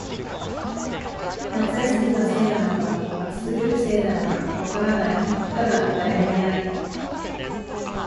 夏休みのせいなのか、暑すぎるせいなのか、わからない、ただ、誰もいない